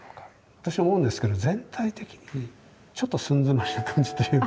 私は思うんですけど全体的にちょっと寸詰まりな感じというか。